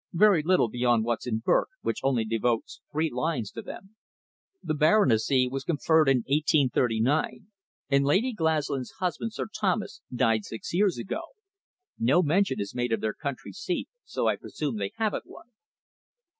"Very little beyond what's in Burke, which only devotes three lines to them. The baronetcy was conferred in 1839, and Lady Glaslyn's husband, Sir Thomas, died six years ago. No mention is made of their country seat, so I presume they haven't one."